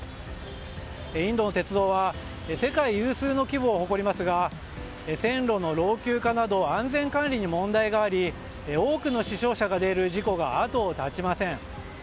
インドの鉄道は世界有数の規模を誇りますが線路の老朽化など安全管理に問題があり多くの死傷者が出る事故が後を絶ちません。